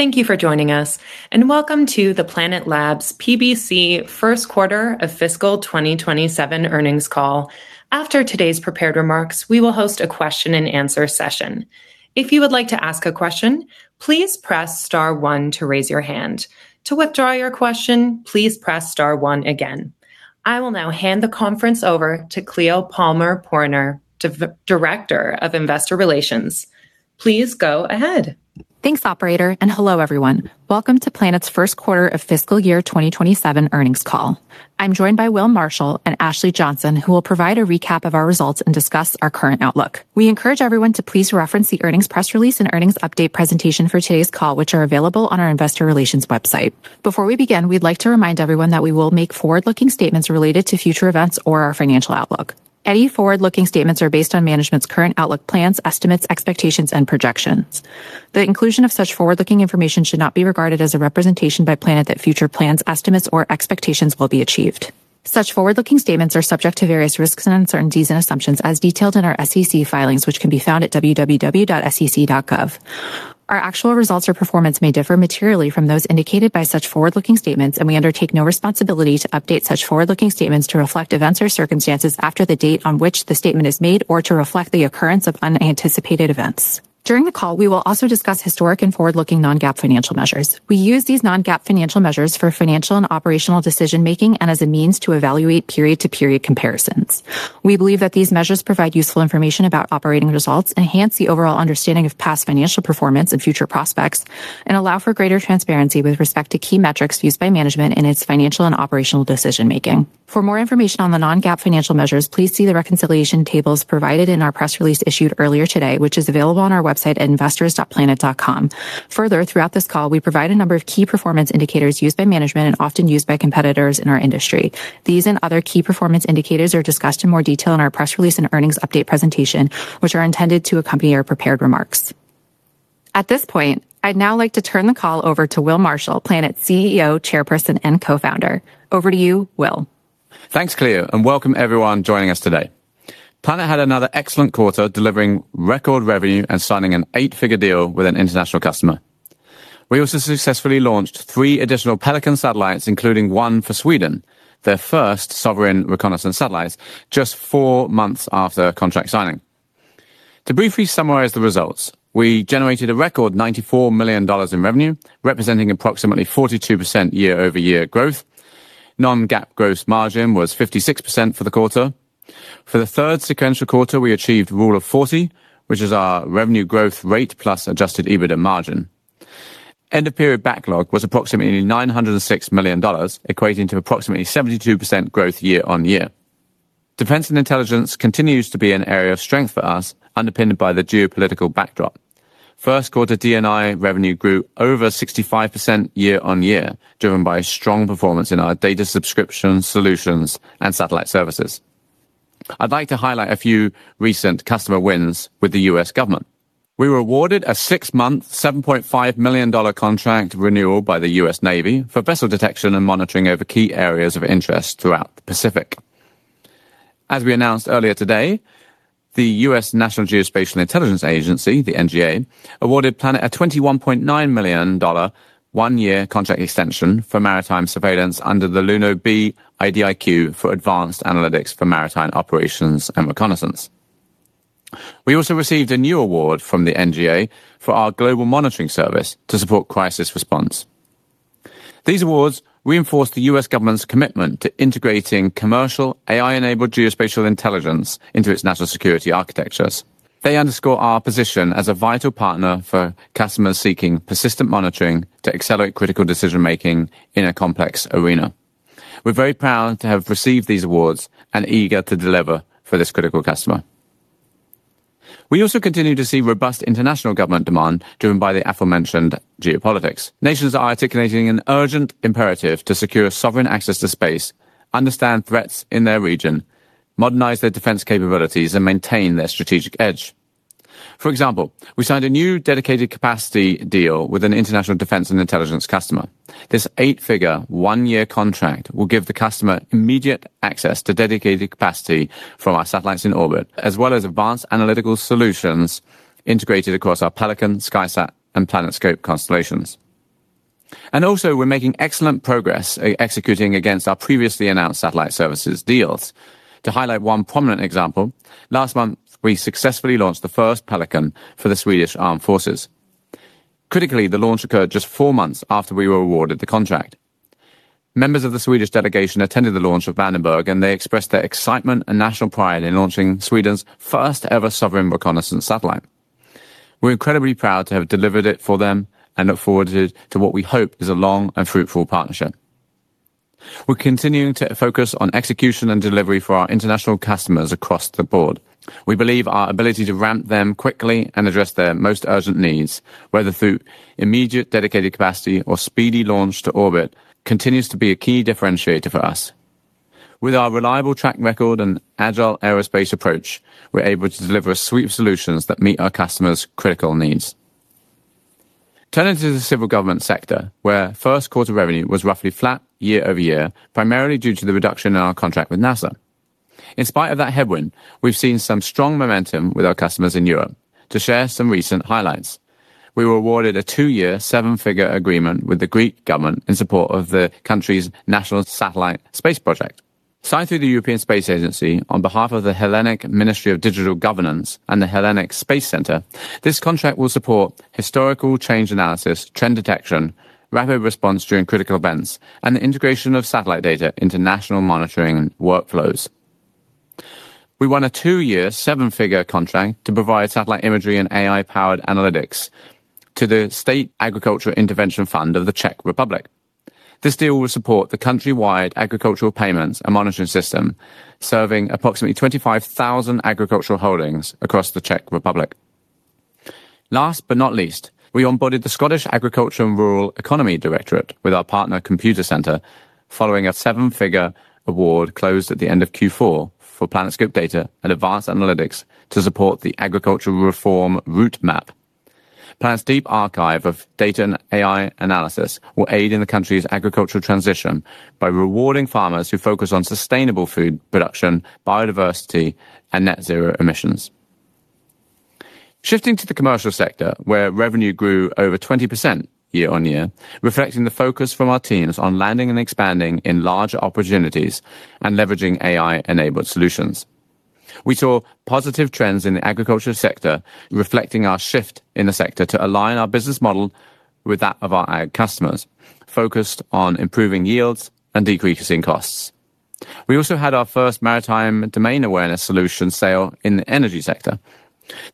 Thank you for joining us, welcome to the Planet Labs PBC first quarter of fiscal 2027 earnings call. After today's prepared remarks, we will host a question and answer session. If you would like to ask a question, please press star one to raise your hand. To withdraw your question, please press star one again. I will now hand the conference over to Cleo Palmer-Poroner, Director of Investor Relations. Please go ahead. Thanks, operator, and hello everyone. Welcome to Planet's first quarter of fiscal year 2027 earnings call. I'm joined by Will Marshall and Ashley Johnson, who will provide a recap of our results and discuss our current outlook. We encourage everyone to please reference the earnings press release and earnings update presentation for today's call, which are available on our investor relations website. Before we begin, we'd like to remind everyone that we will make forward-looking statements related to future events or our financial outlook. Any forward-looking statements are based on management's current outlook plans, estimates, expectations, and projections. The inclusion of such forward-looking information should not be regarded as a representation by Planet that future plans, estimates, or expectations will be achieved. Such forward-looking statements are subject to various risks and uncertainties and assumptions as detailed in our SEC filings, which can be found at www.sec.gov. Our actual results or performance may differ materially from those indicated by such forward-looking statements. We undertake no responsibility to update such forward-looking statements to reflect events or circumstances after the date on which the statement is made or to reflect the occurrence of unanticipated events. During the call, we will also discuss historic and forward-looking non-GAAP financial measures. We use these non-GAAP financial measures for financial and operational decision-making and as a means to evaluate period-to-period comparisons. We believe that these measures provide useful information about operating results, enhance the overall understanding of past financial performance and future prospects, and allow for greater transparency with respect to key metrics used by management in its financial and operational decision-making. For more information on the non-GAAP financial measures, please see the reconciliation tables provided in our press release issued earlier today, which is available on our website at investors.planet.com. Further, throughout this call, we provide a number of key performance indicators used by management and often used by competitors in our industry. These and other key performance indicators are discussed in more detail in our press release and earnings update presentation, which are intended to accompany our prepared remarks. At this point, I'd now like to turn the call over to Will Marshall, Planet's CEO, Chairperson, and Co-Founder. Over to you, Will. Thanks, Cleo. Welcome everyone joining us today. Planet had another excellent quarter, delivering record revenue and signing an eight-figure deal with an international customer. We also successfully launched three additional Pelican satellites, including one for Sweden, their first sovereign reconnaissance satellites just four months after contract signing. To briefly summarize the results, we generated a record $94 million in revenue, representing approximately 42% year-over-year growth. Non-GAAP gross margin was 56% for the quarter. For the third sequential quarter, we achieved Rule of 40, which is our revenue growth rate plus adjusted EBITDA margin. End-of-period backlog was approximately $906 million, equating to approximately 72% growth year-on-year. Defense and intelligence continues to be an area of strength for us, underpinned by the geopolitical backdrop. First quarter D&I revenue grew over 65% year-on-year, driven by strong performance in our data subscription solutions and satellite services. I'd like to highlight a few recent customer wins with the U.S. government. We were awarded a six-month, $7.5 million contract renewal by the U.S. Navy for vessel detection and monitoring over key areas of interest throughout the Pacific. As we announced earlier today, the U.S. National Geospatial-Intelligence Agency, the NGA, awarded Planet a $21.9 million one-year contract extension for maritime surveillance under the Luno B IDIQ for advanced analytics for maritime operations and reconnaissance. We also received a new award from the NGA for our global monitoring service to support crisis response. These awards reinforce the U.S. government's commitment to integrating commercial AI-enabled geospatial intelligence into its national security architectures. They underscore our position as a vital partner for customers seeking persistent monitoring to accelerate critical decision-making in a complex arena. We're very proud to have received these awards and eager to deliver for this critical customer. We also continue to see robust international government demand driven by the aforementioned geopolitics. Nations are articulating an urgent imperative to secure sovereign access to space, understand threats in their region, modernize their defense capabilities, and maintain their strategic edge. For example, we signed a new dedicated capacity deal with an international defense and intelligence customer. This eight-figure one-year contract will give the customer immediate access to dedicated capacity from our satellites in orbit, as well as advanced analytical solutions integrated across our Pelican, SkySat, and PlanetScope constellations. Also, we're making excellent progress executing against our previously announced satellite services deals. To highlight one prominent example, last month, we successfully launched the first Pelican for the Swedish Armed Forces. Critically, the launch occurred just four months after we were awarded the contract. Members of the Swedish delegation attended the launch at Vandenberg. They expressed their excitement and national pride in launching Sweden's first ever sovereign reconnaissance satellite. We're incredibly proud to have delivered it for them and look forward to what we hope is a long and fruitful partnership. We're continuing to focus on execution and delivery for our international customers across the board. We believe our ability to ramp them quickly and address their most urgent needs, whether through immediate dedicated capacity or speedy launch to orbit, continues to be a key differentiator for us. With our reliable track record and agile aerospace approach, we're able to deliver a suite of solutions that meet our customers' critical needs. Turning to the civil government sector, where first quarter revenue was roughly flat year-over-year, primarily due to the reduction in our contract with NASA. In spite of that headwind, we've seen some strong momentum with our customers in Europe. To share some recent highlights, we were awarded a two-year, seven-figure agreement with the Greek government in support of the country's national satellite space project. Signed through the European Space Agency on behalf of the Hellenic Ministry of Digital Governance and the Hellenic Space Center, this contract will support historical change analysis, trend detection, rapid response during critical events, and the integration of satellite data into national monitoring workflows. We won a two-year, seven-figure contract to provide satellite imagery and AI-powered analytics to the State Agricultural Intervention Fund of the Czech Republic. This deal will support the countrywide agricultural payments and monitoring system, serving approximately 25,000 agricultural holdings across the Czech Republic. Last but not least, we onboarded the Scottish Agriculture and Rural Economy Directorate with our partner, Computacenter, following a seven-figure award closed at the end of Q4 for PlanetScope data and advanced analytics to support the agricultural reform route map. Planet's deep archive of data and AI analysis will aid in the country's agricultural transition by rewarding farmers who focus on sustainable food production, biodiversity, and net zero emissions. Shifting to the commercial sector, where revenue grew over 20% year-over-year, reflecting the focus from our teams on landing and expanding in larger opportunities and leveraging AI-enabled solutions. We saw positive trends in the agriculture sector, reflecting our shift in the sector to align our business model with that of our customers, focused on improving yields and decreasing costs. We also had our first maritime domain awareness solution sale in the energy sector.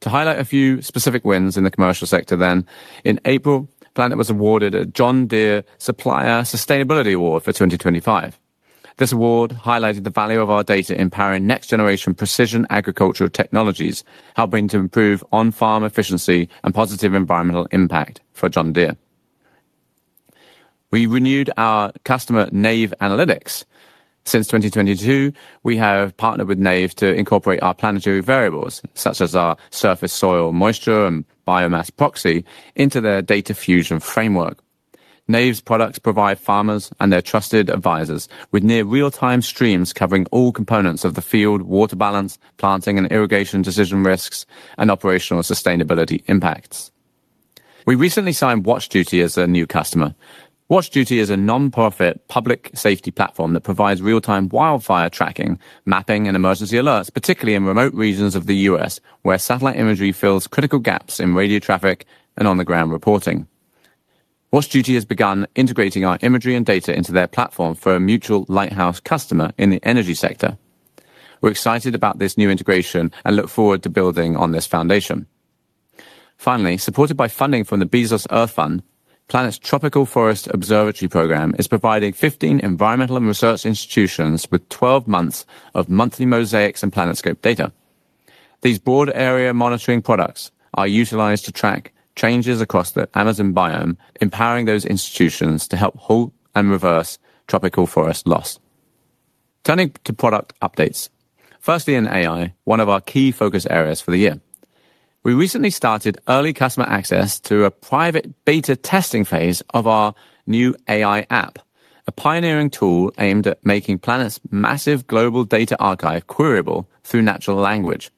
To highlight a few specific wins in the commercial sector then, in April, Planet was awarded a John Deere Supplier Sustainability Award for 2025. This award highlighted the value of our data in powering next generation precision agricultural technologies, helping to improve on-farm efficiency and positive environmental impact for John Deere. We renewed our customer, Nave Analytics. Since 2022, we have partnered with Nave to incorporate our Planetary Variables, such as our Soil Moisture and Biomass Proxy, into their data fusion framework. Nave's products provide farmers and their trusted advisors with near real-time streams covering all components of the field, water balance, planting and irrigation decision risks, and operational sustainability impacts. We recently signed Watch Duty as a new customer. Watch Duty is a nonprofit public safety platform that provides real-time wildfire tracking, mapping, and emergency alerts, particularly in remote regions of the U.S., where satellite imagery fills critical gaps in radio traffic and on-the-ground reporting. Watch Duty has begun integrating our imagery and data into their platform for a mutual lighthouse customer in the energy sector. We're excited about this new integration and look forward to building on this foundation. Finally, supported by funding from the Bezos Earth Fund, Planet's Tropical Forest Observatory program is providing 15 environmental and research institutions with 12 months of monthly mosaics and PlanetScope data. These broad area monitoring products are utilized to track changes across the Amazon biome, empowering those institutions to help halt and reverse tropical forest loss. Turning to product updates. Firstly, in AI, one of our key focus areas for the year. We recently started early customer access to a private beta testing phase of our new AI App, a pioneering tool aimed at making Planet's massive global data archive queryable through natural language.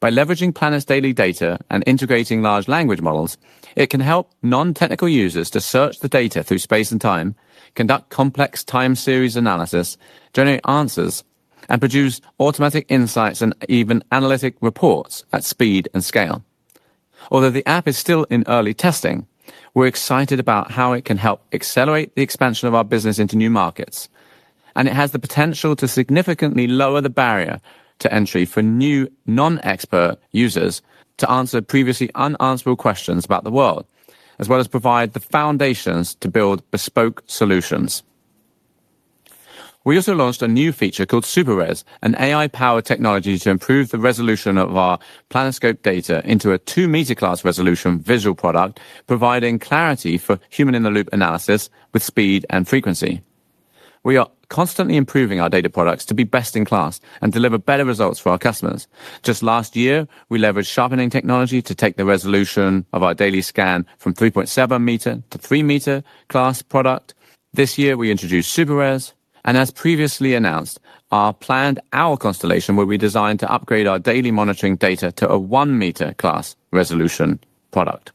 By leveraging Planet's daily data and integrating large language models, it can help non-technical users to search the data through space and time, conduct complex time-series analysis, generate answers, and produce automatic insights and even analytic reports at speed and scale. Although the App is still in early testing, we're excited about how it can help accelerate the expansion of our business into new markets, and it has the potential to significantly lower the barrier to entry for new non-expert users to answer previously unanswerable questions about the world, as well as provide the foundations to build bespoke solutions. We also launched a new feature called SuperRes, an AI-powered technology to improve the resolution of our PlanetScope data into a 2 m class resolution visual product, providing clarity for human-in-the-loop analysis with speed and frequency. We are constantly improving our data products to be best in class and deliver better results for our customers. Just last year, we leveraged sharpening technology to take the resolution of our daily scan from 3.7 m to 3 m class product. This year, we introduced SuperRes, and as previously announced, our planned Owl constellation will be designed to upgrade our daily monitoring data to a 1 m class resolution product.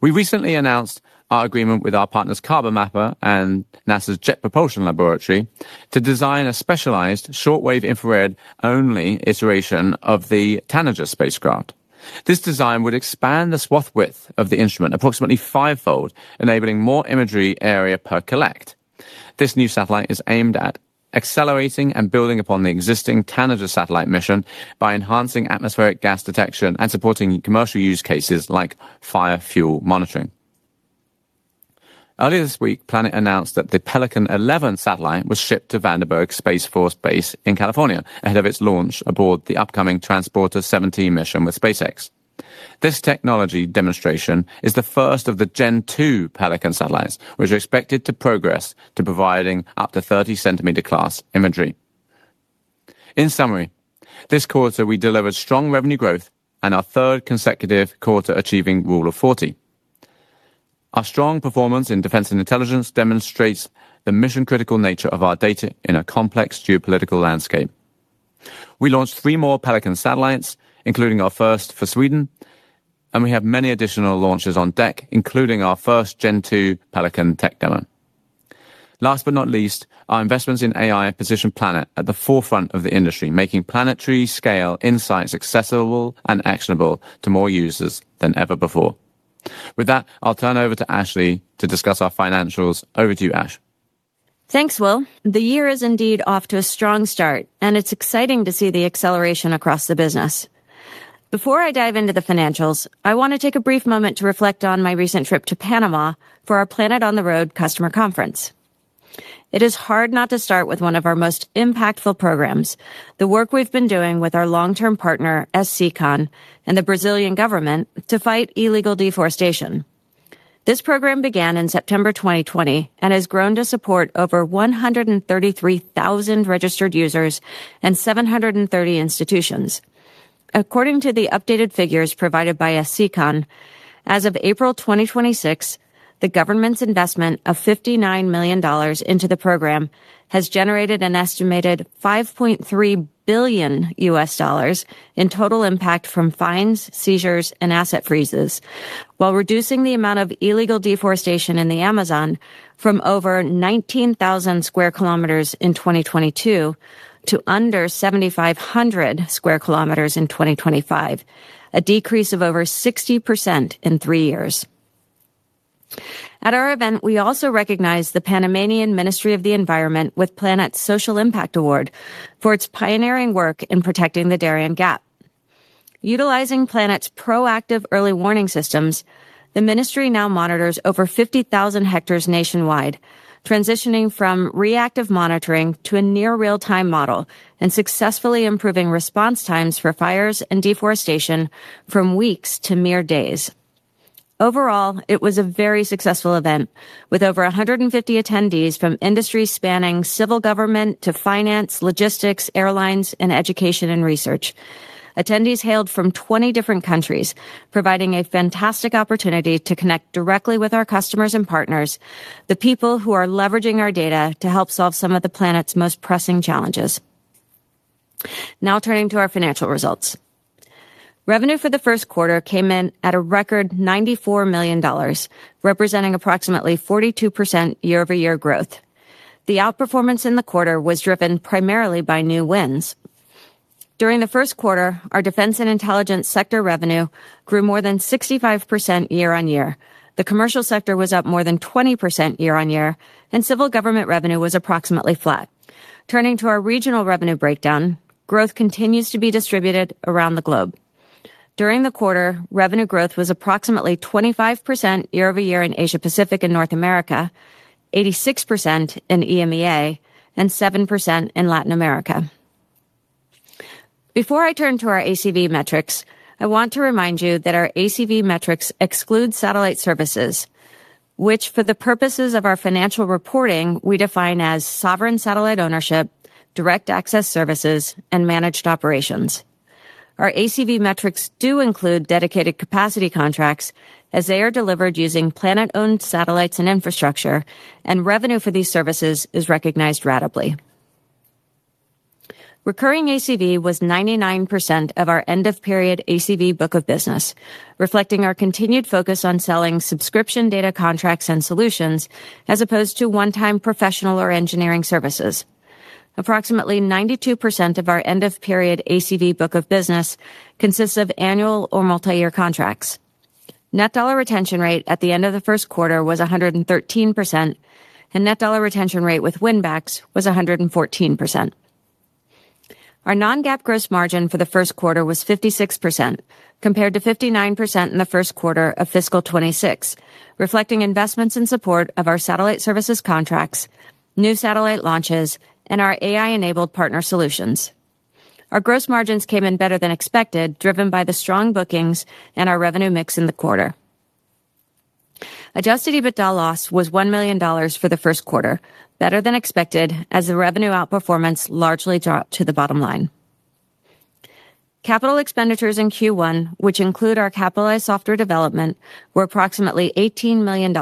We recently announced our agreement with our partners, Carbon Mapper and NASA's Jet Propulsion Laboratory, to design a specialized shortwave infrared-only iteration of the Tanager spacecraft. This design would expand the swath width of the instrument approximately fivefold, enabling more imagery area per collect. This new satellite is aimed at accelerating and building upon the existing Tanager satellite mission by enhancing atmospheric gas detection and supporting commercial use cases like fire fuel monitoring. Earlier this week, Planet announced that the Pelican 11 satellite was shipped to Vandenberg Space Force Base in California ahead of its launch aboard the upcoming Transporter 17 mission with SpaceX. This technology demonstration is the first of the Gen 2 Pelican satellites, which are expected to progress to providing up to 30 cm class imagery. In summary, this quarter, we delivered strong revenue growth and our third consecutive quarter achieving Rule of 40. Our strong performance in defense and intelligence demonstrates the mission-critical nature of our data in a complex geopolitical landscape. We launched three more Pelican satellites, including our first for Sweden. We have many additional launches on deck, including our first Gen 2 Pelican tech demo. Last but not least, our investments in AI position Planet at the forefront of the industry, making planetary-scale insights accessible and actionable to more users than ever before. I'll turn over to Ashley to discuss our financials. Over to you, Ash. Thanks, Will. The year is indeed off to a strong start, and it's exciting to see the acceleration across the business. Before I dive into the financials, I want to take a brief moment to reflect on my recent trip to Panama for our Planet on the Road customer conference. It is hard not to start with one of our most impactful programs, the work we've been doing with our long-term partner, SCCON, and the Brazilian government to fight illegal deforestation. This program began in September 2020 and has grown to support over 133,000 registered users and 730 institutions. According to the updated figures provided by SCCON, as of April 2026, the government's investment of $59 million into the program has generated an estimated $5.3 billion in total impact from fines, seizures, and asset freezes while reducing the amount of illegal deforestation in the Amazon from over 19,000 sq km in 2022 to under 7,500 sq km in 2025, a decrease of over 60% in three years. At our event, we also recognized the Panamanian Ministry of the Environment with Planet's Social Impact Award for its pioneering work in protecting the Darién Gap. Utilizing Planet's proactive early warning systems, the ministry now monitors over 50,000 hectares nationwide, transitioning from reactive monitoring to a near real-time model and successfully improving response times for fires and deforestation from weeks to mere days. Overall, it was a very successful event with over 150 attendees from industries spanning civil government to finance, logistics, airlines, and education and research. Attendees hailed from 20 different countries, providing a fantastic opportunity to connect directly with our customers and partners, the people who are leveraging our data to help solve some of the planet's most pressing challenges. Turning to our financial results. Revenue for the first quarter came in at a record $94 million, representing approximately 42% year-over-year growth. The outperformance in the quarter was driven primarily by new wins. During the first quarter, our defense and intelligence sector revenue grew more than 65% year-on-year. The commercial sector was up more than 20% year-on-year, and civil government revenue was approximately flat. Turning to our regional revenue breakdown, growth continues to be distributed around the globe. During the quarter, revenue growth was approximately 25% year-over-year in Asia-Pacific and North America, 86% in EMEA, and 7% in Latin America. Before I turn to our ACV metrics, I want to remind you that our ACV metrics exclude satellite services, which for the purposes of our financial reporting, we define as sovereign satellite ownership, direct access services, and managed operations. Our ACV metrics do include dedicated capacity contracts as they are delivered using Planet-owned satellites and infrastructure, and revenue for these services is recognized ratably. Recurring ACV was 99% of our end-of-period ACV book of business, reflecting our continued focus on selling subscription data contracts and solutions as opposed to one-time professional or engineering services. Approximately 92% of our end-of-period ACV book of business consists of annual or multi-year contracts. Net dollar retention rate at the end of the first quarter was 113%, and net dollar retention rate with win backs was 114%. Our non-GAAP gross margin for the first quarter was 56%, compared to 59% in the first quarter of fiscal 2026, reflecting investments in support of our satellite services contracts, new satellite launches, and our AI-enabled partner solutions. Our gross margins came in better than expected, driven by the strong bookings and our revenue mix in the quarter. Adjusted EBITDA loss was $1 million for the first quarter, better than expected as the revenue outperformance largely dropped to the bottom line. Capital expenditures in Q1, which include our capitalized software development, were approximately $18 million.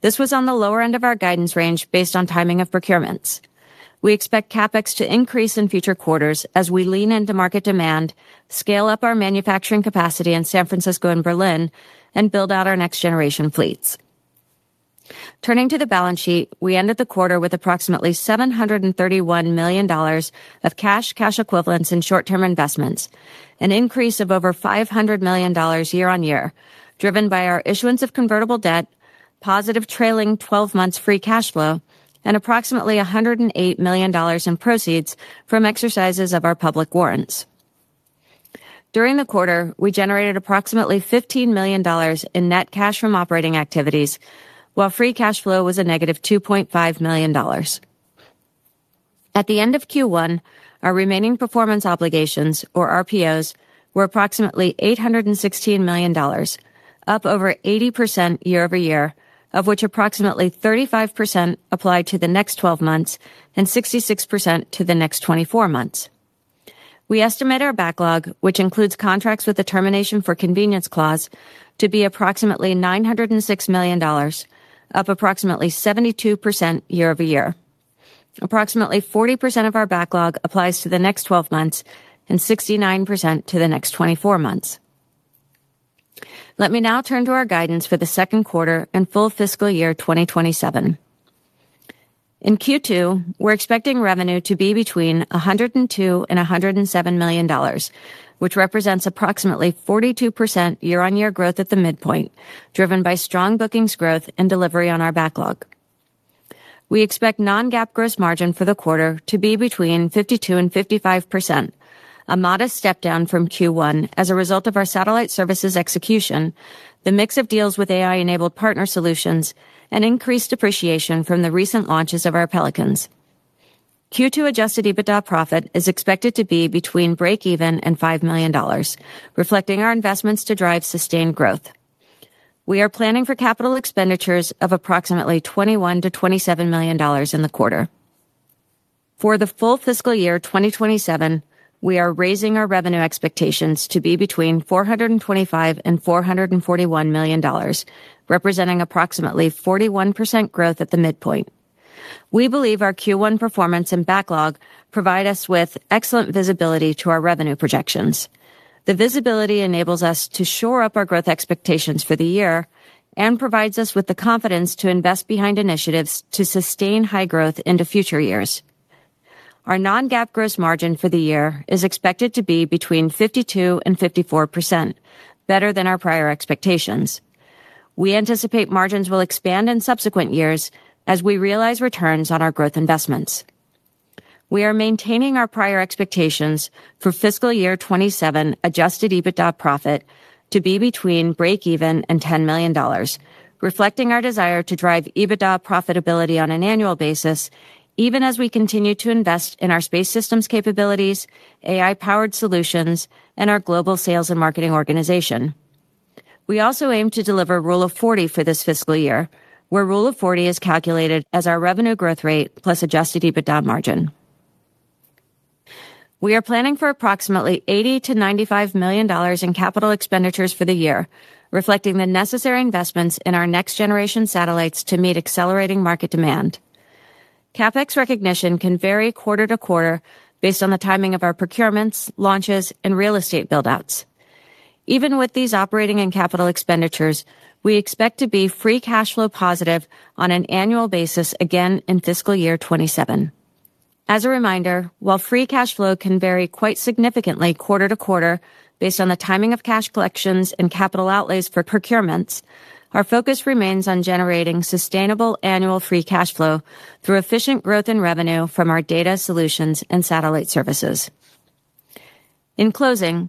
This was on the lower end of our guidance range based on timing of procurements. We expect CapEx to increase in future quarters as we lean into market demand, scale up our manufacturing capacity in San Francisco and Berlin, and build out our next-generation fleets. Turning to the balance sheet, we ended the quarter with approximately $731 million of cash, cash equivalents, and short-term investments, an increase of over $500 million year-on-year, driven by our issuance of convertible debt, positive trailing 12 months free cash flow, and approximately $108 million in proceeds from exercises of our public warrants. During the quarter, we generated approximately $15 million in net cash from operating activities, while free cash flow was a $-2.5 million. At the end of Q1, our remaining performance obligations or RPOs were approximately $816 million, up over 80% year-over-year, of which approximately 35% apply to the next 12 months and 66% to the next 24 months. We estimate our backlog, which includes contracts with the termination for convenience clause, to be approximately $906 million, up approximately 72% year-over-year. Approximately 40% of our backlog applies to the next 12 months and 69% to the next 24 months. Let me now turn to our guidance for the second quarter and full fiscal year 2027. In Q2, we're expecting revenue to be between $102 million and $107 million, which represents approximately 42% year-on-year growth at the midpoint, driven by strong bookings growth and delivery on our backlog. We expect non-GAAP gross margin for the quarter to be between 52% and 55%, a modest step-down from Q1 as a result of our satellite services execution, the mix of deals with AI-enabled partner solutions, and increased depreciation from the recent launches of our Pelicans. Q2 adjusted EBITDA profit is expected to be between breakeven and $5 million, reflecting our investments to drive sustained growth. We are planning for capital expenditures of approximately $21 million-$27 million in the quarter. For the full fiscal year 2027, we are raising our revenue expectations to be between $425 million and $441 million, representing approximately 41% growth at the midpoint. We believe our Q1 performance and backlog provide us with excellent visibility to our revenue projections. The visibility enables us to shore up our growth expectations for the year and provides us with the confidence to invest behind initiatives to sustain high growth into future years. Our non-GAAP gross margin for the year is expected to be between 52% and 54%, better than our prior expectations. We anticipate margins will expand in subsequent years as we realize returns on our growth investments. We are maintaining our prior expectations for fiscal year 2027 adjusted EBITDA profit to be between breakeven and $10 million, reflecting our desire to drive EBITDA profitability on an annual basis, even as we continue to invest in our space systems capabilities, AI-powered solutions, and our global sales and marketing organization. We also aim to deliver Rule of 40 for this fiscal year, where Rule of 40 is calculated as our revenue growth rate plus adjusted EBITDA margin. We are planning for approximately $80 million-$95 million in capital expenditures for the year, reflecting the necessary investments in our next-generation satellites to meet accelerating market demand. CapEx recognition can vary quarter to quarter based on the timing of our procurements, launches, and real estate build-outs. Even with these operating and capital expenditures, we expect to be free cash flow positive on an annual basis again in fiscal year 2027. As a reminder, while free cash flow can vary quite significantly quarter to quarter based on the timing of cash collections and capital outlays for procurements, our focus remains on generating sustainable annual free cash flow through efficient growth in revenue from our data solutions and satellite services. In closing,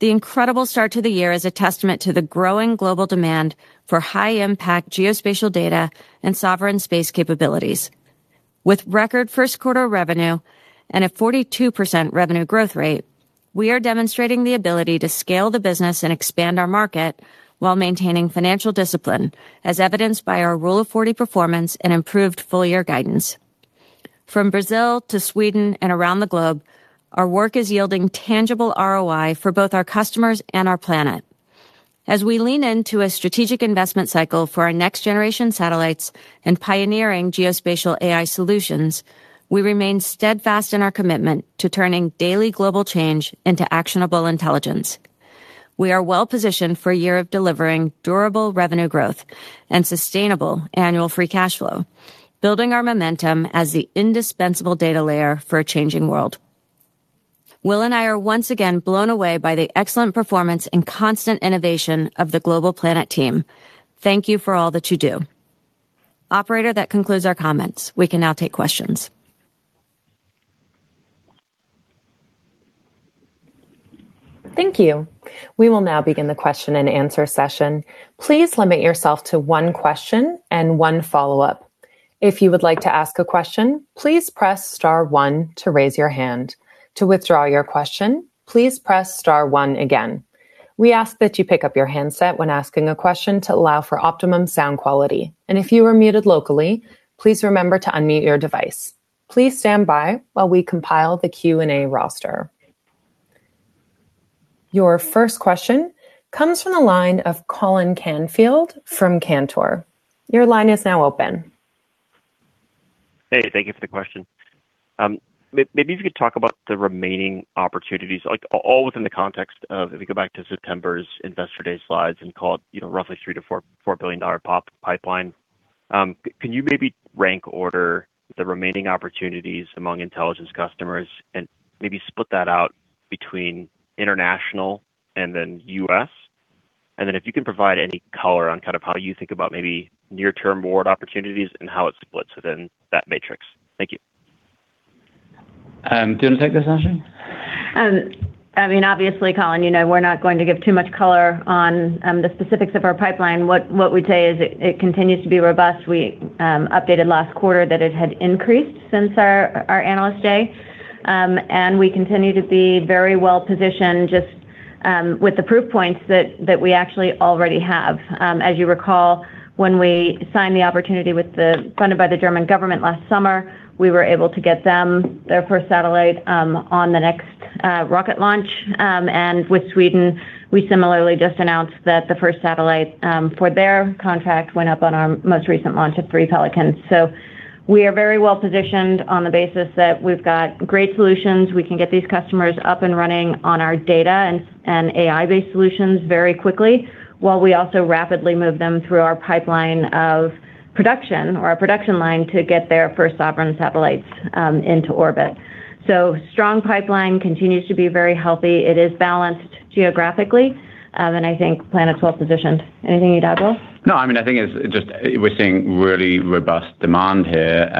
the incredible start to the year is a testament to the growing global demand for high-impact geospatial data and sovereign space capabilities. With record first quarter revenue and a 42% revenue growth rate, we are demonstrating the ability to scale the business and expand our market while maintaining financial discipline, as evidenced by our Rule of 40 performance and improved full-year guidance. From Brazil to Sweden and around the globe, our work is yielding tangible ROI for both our customers and our Planet. As we lean into a strategic investment cycle for our next-generation satellites and pioneering geospatial AI solutions, we remain steadfast in our commitment to turning daily global change into actionable intelligence. We are well-positioned for a year of delivering durable revenue growth and sustainable annual free cash flow, building our momentum as the indispensable data layer for a changing world. Will and I are once again blown away by the excellent performance and constant innovation of the Global Planet team. Thank you for all that you do. Operator, that concludes our comments. We can now take questions. Thank you. We will now begin the question and answer session. Please limit yourself to one question and one follow-up. If you would like to ask a question, please press star one to raise your hand. To withdraw your question, please press star one again. We ask that you pick up your handset when asking a question to allow for optimum sound quality, and if you are muted locally, please remember to unmute your device. Please stand by while we compile the Q&A roster. Your first question comes from the line of Colin Canfield from Cantor. Your line is now open. Hey, thank you for the question. Maybe if you could talk about the remaining opportunities, all within the context of if you go back to September's Investor Day slides and call it roughly $3 billion-$4 billion pipeline. Can you maybe rank order the remaining opportunities among intelligence customers and maybe split that out between international and then U.S.? If you can provide any color on kind of how you think about maybe near-term board opportunities and how it splits within that matrix. Thank you. Do you want to take this, Ashley? Obviously, Colin, we're not going to give too much color on the specifics of our pipeline. What we'd say is it continues to be robust. We updated last quarter that it had increased since our Analyst Day. We continue to be very well-positioned just with the proof points that we actually already have. As you recall, when we signed the opportunity funded by the German government last summer, we were able to get them their first satellite on the next rocket launch. With Sweden, we similarly just announced that the first satellite for their contract went up on our most recent launch of three Pelicans. We are very well positioned on the basis that we've got great solutions. We can get these customers up and running on our data and AI-based solutions very quickly, while we also rapidly move them through our pipeline of production or our production line to get their first sovereign satellites into orbit. Strong pipeline continues to be very healthy. It is balanced geographically, and I think Planet's well positioned. Anything you'd add, Will? No, I think it's just we're seeing really robust demand here.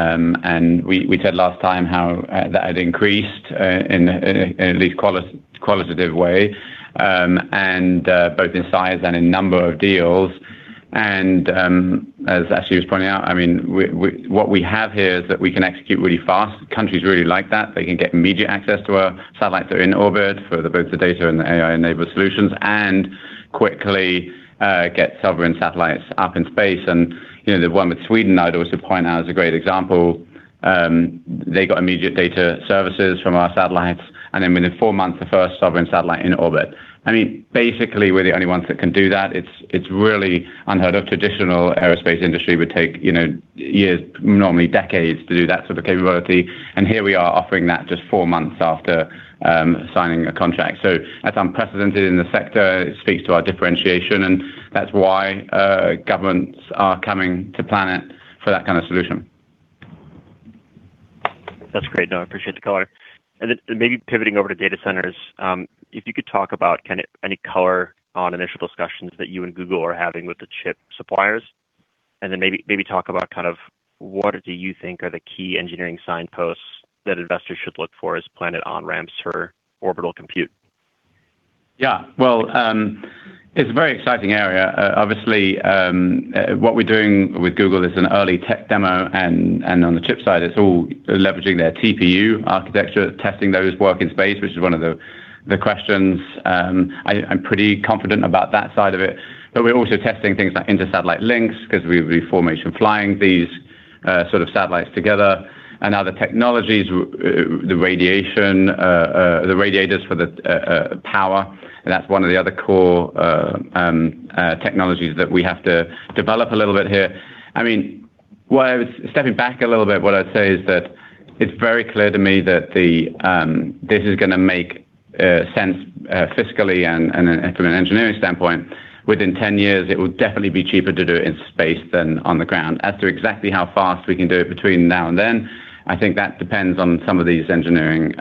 We said last time how that had increased in at least qualitative way, both in size and in number of deals. As Ashley was pointing out, what we have here is that we can execute really fast. Countries really like that. They can get immediate access to our satellites that are in orbit for both the data and the AI-enabled solutions, and quickly get sovereign satellites up in space. The one with Sweden I'd also point out as a great example. They got immediate data services from our satellites, then within four months, the first sovereign satellite in orbit. Basically we're the only ones that can do that. It's really unheard of. Traditional aerospace industry would take years, normally decades, to do that sort of capability. Here we are offering that just four months after signing a contract. That's unprecedented in the sector. It speaks to our differentiation, and that's why governments are coming to Planet for that kind of solution. That's great. No, I appreciate the color. Maybe pivoting over to data centers, if you could talk about kind of any color on initial discussions that you and Google are having with the chip suppliers, and then maybe talk about what do you think are the key engineering signposts that investors should look for as Planet on-ramps for orbital compute? Yeah. Well, it's a very exciting area. Obviously, what we're doing with Google is an early tech demo, and on the chip side, it's all leveraging their TPU architecture, testing those work in space, which is one of the questions. I'm pretty confident about that side of it. We're also testing things like intersatellite links because we'll be formation flying these sort of satellites together, and other technologies, the radiators for the power. That's one of the other core technologies that we have to develop a little bit here. Stepping back a little bit, what I'd say is that it's very clear to me that this is going to make sense fiscally and from an engineering standpoint. Within 10 years, it will definitely be cheaper to do it in space than on the ground. As to exactly how fast we can do it between now and then, I think that depends on some of these engineering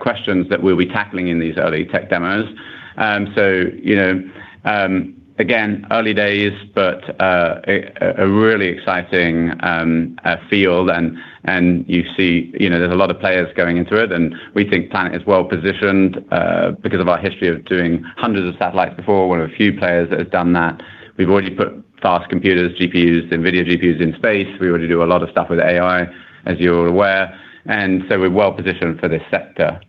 questions that we'll be tackling in these early tech demos. Again, early days, but a really exciting field and you see there's a lot of players going into it, and we think Planet is well positioned because of our history of doing hundreds of satellites before. We're one of the few players that has done that. We've already put fast computers, GPUs, NVIDIA GPUs in space. We already do a lot of stuff with AI, as you're aware. We're well positioned for this sector.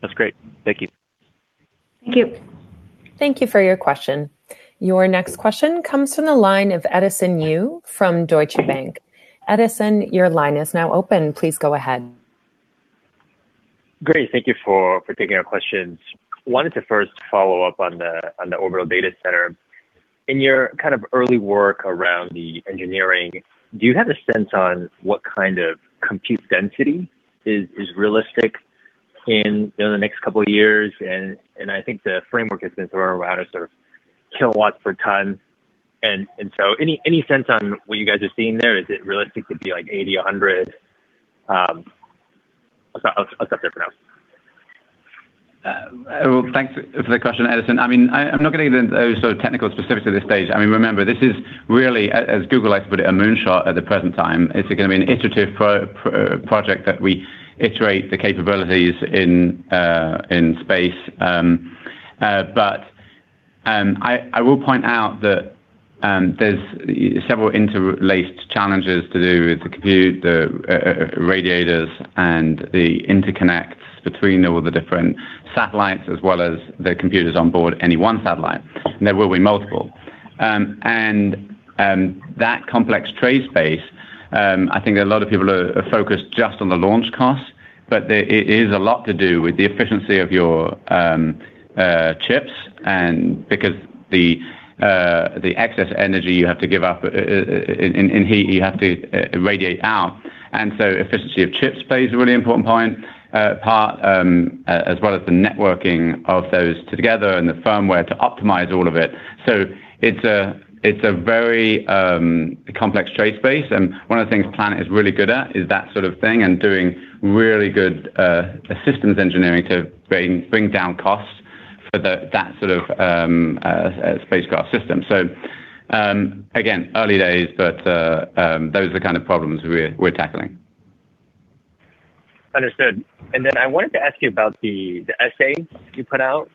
That's great. Thank you. Thank you. Thank you for your question. Your next question comes from the line of Edison Yu from Deutsche Bank. Edison, your line is now open. Please go ahead. Great. Thank you for taking our questions. I wanted to first follow up on the overall data center. In your kind of early work around the engineering, do you have a sense on what kind of compute density is realistic in the next couple of years? I think the framework that's been thrown around is sort of kilowatts per ton. Any sense on what you guys are seeing there? Is it realistic to be like 80, 100? I'll stop there for now. Well, thanks for the question, Edison. I'm not going to get into those sort of technical specifics at this stage. Remember, this is really, as Google likes to put it, a moonshot at the present time. It's going to be an iterative project that we iterate the capabilities in space. I will point out that there's several interlaced challenges to do with the compute, the radiators, and the interconnects between all the different satellites as well as the computers on board any one satellite, and there will be multiple. That complex trade space, I think that a lot of people are focused just on the launch costs, but it is a lot to do with the efficiency of your chips, and because the excess energy you have to give up in heat, you have to radiate out. Efficiency of chips plays a really important part, as well as the networking of those together and the firmware to optimize all of it. It's a very complex trade space, and one of the things Planet is really good at is that sort of thing and doing really good systems engineering to bring down costs for that sort of spacecraft system. Again, early days, but those are the kind of problems we're tackling. Understood. I wanted to ask you about the essay you put out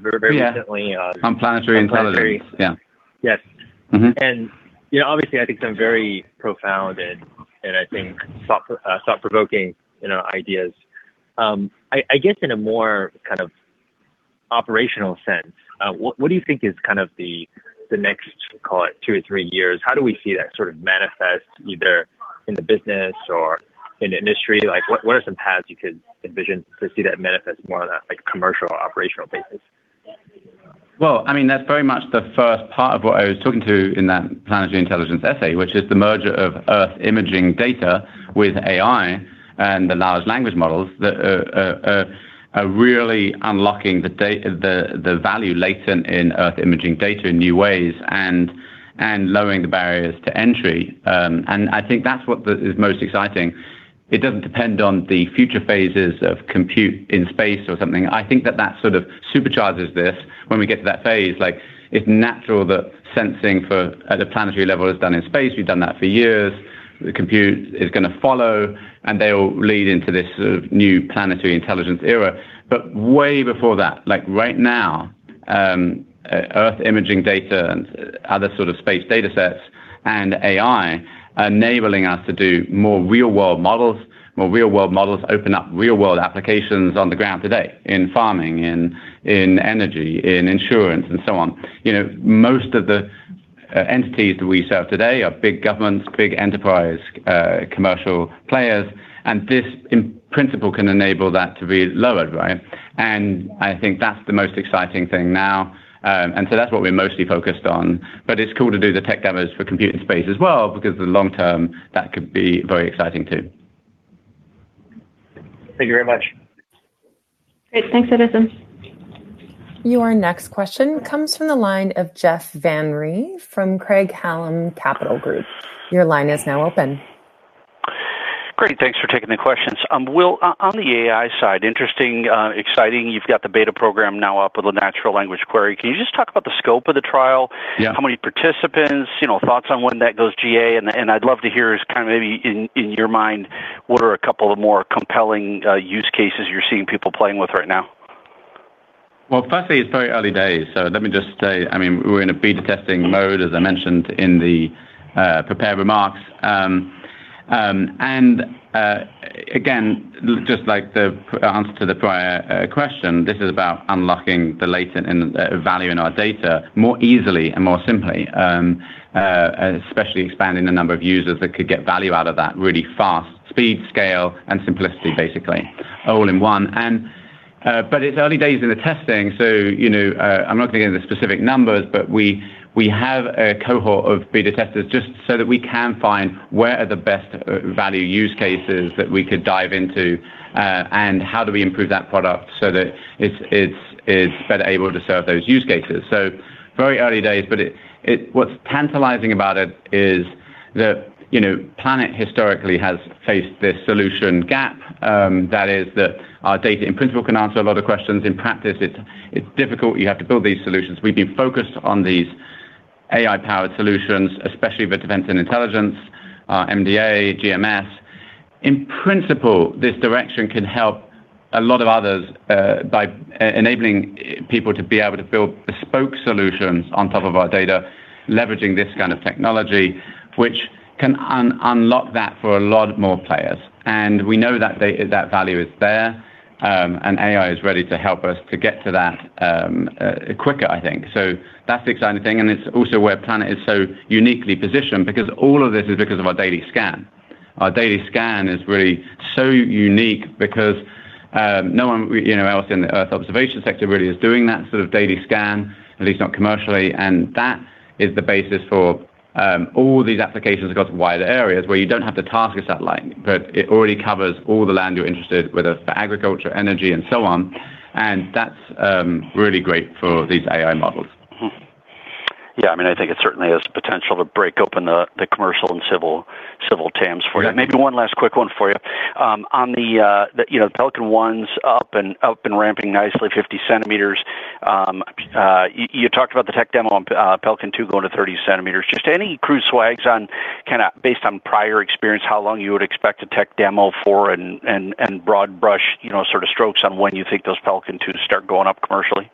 very recently. On planetary intelligence. On planetary. Yeah. Yes. Obviously, I think some very profound and I think thought-provoking ideas. I guess in a more kind of operational sense, what do you think is kind of the next, call it, two or three years? How do we see that sort of manifest either in the business or in the industry? What are some paths you could envision to see that manifest more on a commercial operational basis? Well, that's very much the first part of what I was talking to in that planetary intelligence essay, which is the merger of Earth imaging data with AI and the large language models that are really unlocking the value latent in Earth imaging data in new ways and lowering the barriers to entry. I think that's what is most exciting. It doesn't depend on the future phases of compute in space or something. I think that that sort of supercharges this when we get to that phase. It's natural that sensing for at a planetary level is done in space. We've done that for years. The compute is going to follow, and they all lead into this sort of new planetary intelligence era. Way before that, right now, Earth imaging data and other sort of space data sets and AI are enabling us to do more real-world models. More real-world models open up real-world applications on the ground today in farming, in energy, in insurance, and so on. Most of the entities that we serve today are big governments, big enterprise commercial players. This, in principle, can enable that to be lowered. I think that's the most exciting thing now. So that's what we're mostly focused on. It's cool to do the tech demos for compute in space as well, because the long term, that could be very exciting, too. Thank you very much. Great. Thanks, Edison. Your next question comes from the line of Jeff Van Rhee from Craig-Hallum Capital Group. Your line is now open. Great. Thanks for taking the questions. Will, on the AI side, interesting, exciting. You've got the beta program now up with a natural language query. Can you just talk about the scope of the trial? Yeah. How many participants, thoughts on when that goes GA? I'd love to hear is kind of maybe in your mind, what are a couple of more compelling use cases you're seeing people playing with right now? Well, firstly, it's very early days. Let me just say, we're in a beta testing mode, as I mentioned in the prepared remarks. Again, just like the answer to the prior question, this is about unlocking the latent value in our data more easily and more simply, especially expanding the number of users that could get value out of that really fast. Speed, scale, and simplicity, basically, all in one. It's early days in the testing, so I'm not going to get into specific numbers, but we have a cohort of beta testers just so that we can find where are the best value use cases that we could dive into, and how do we improve that product so that it's better able to serve those use cases. Very early days, but what's tantalizing about it is that Planet historically has faced this solution gap, that is that our data in principle can answer a lot of questions. In practice, it's difficult. You have to build these solutions. We've been focused on these AI-powered solutions, especially with defense and intelligence, MDA, GMS. In principle, this direction can help a lot of others by enabling people to be able to build bespoke solutions on top of our data, leveraging this kind of technology, which can unlock that for a lot more players. We know that value is there, and AI is ready to help us to get to that quicker, I think. That's the exciting thing, and it's also where Planet is so uniquely positioned, because all of this is because of our daily scan. Our daily scan is really so unique because no one else in the Earth observation sector really is doing that sort of daily scan, at least not commercially. That is the basis for all these applications across wider areas where you don't have to task a satellite, but it already covers all the land you're interested, whether it's for agriculture, energy, and so on. That's really great for these AI models. I think it certainly has potential to break open the commercial and civil TAMs for you. Yeah. Maybe one last quick one for you. On the Pelican 1's up and ramping nicely, 50 cm. You talked about the tech demo on Pelican 2 going to 30 cm. Just any crew swags on based on prior experience, how long you would expect a tech demo for and broad brush sort of strokes on when you think those Pelican 2 to start going up commercially?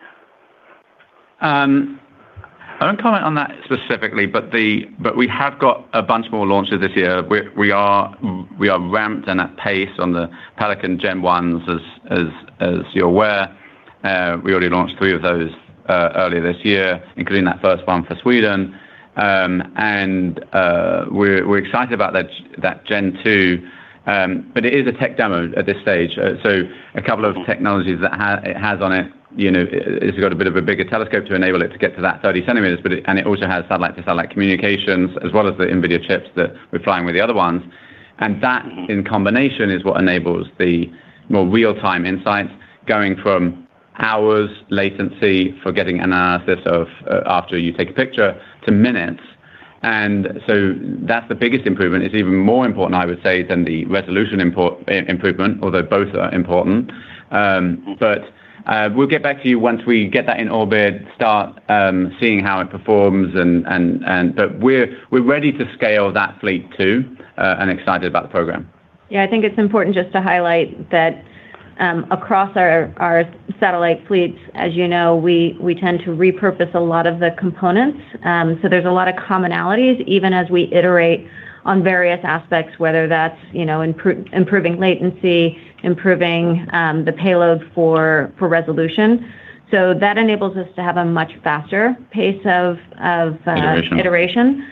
I won't comment on that specifically. We have got a bunch more launches this year. We are ramped and at pace on the Pelican Gen 1s as you're aware. We already launched three of those earlier this year, including that first one for Sweden. We're excited about that Gen 2. It is a tech demo at this stage. A couple of technologies that it has on it's got a bit of a bigger telescope to enable it to get to that 30 cm, and it also has satellite to satellite communications as well as the NVIDIA chips that we're flying with the other ones. That in combination is what enables the more real-time insights going from hours latency for getting analysis of after you take a picture to minutes. That's the biggest improvement. It's even more important, I would say, than the resolution improvement, although both are important. We'll get back to you once we get that in orbit, start seeing how it performs, but we're ready to scale that fleet, too, and excited about the program. Yeah, I think it's important just to highlight that across our satellite fleets, as you know, we tend to repurpose a lot of the components. There's a lot of commonalities, even as we iterate on various aspects, whether that's improving latency, improving the payload for resolution. That enables us to have a much faster pace of. Iteration Iteration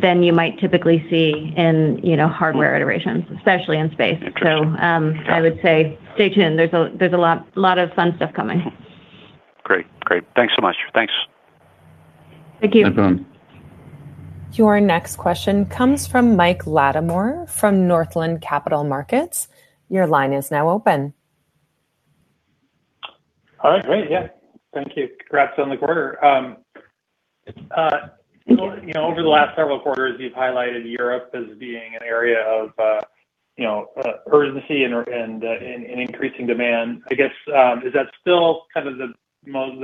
than you might typically see in hardware iterations, especially in space. I would say stay tuned. There's a lot of fun stuff coming. Great. Thanks so much. Thanks. Thank you. Thank you. Your next question comes from Mike Latimore from Northland Capital Markets. Your line is now open. All right. Great. Yeah. Thank you. Congrats on the quarter. Over the last several quarters, you've highlighted Europe as being an area of urgency and increasing demand. I guess, is that still kind of the most